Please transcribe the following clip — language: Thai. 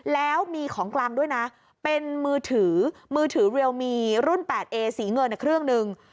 แล้วมีของกลางด้วยนะเป็นมือถือมือถือเรียลมีรุ่นแปดเอสีเงินเครื่องหนึ่ง